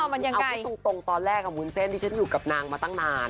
เอาพูดตรงตอนแรกกับวุ้นเส้นที่ฉันอยู่กับนางมาตั้งนาน